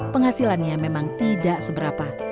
penghasilannya memang tidak seberapa